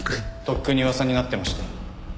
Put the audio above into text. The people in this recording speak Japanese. とっくに噂になってましたよ。